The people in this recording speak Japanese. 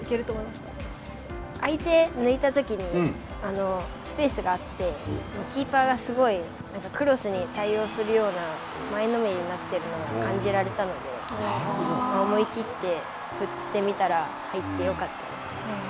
相手抜いたときに、スペースがあって、キーパーがすごいなんかクロスに対応するような、前のめりになっているのが、感じられたので、思い切って振ってみたら、入ってよかったです。